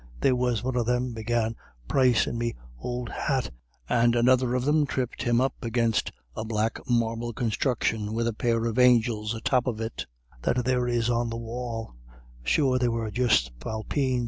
There was one of them began pricin' me ould hat, and another of them tripped him up against a black marble construction with a pair of angels atop of it, that there is on the wall sure they were just spalpeens.